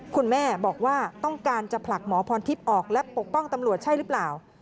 คุณแม่บอกว่าต้องการจะผลักหมอพรทิพย์ออกและปกป้องตำรวจใช่หรือเปล่า